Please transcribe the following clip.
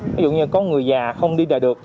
ví dụ như có người già không đi đời được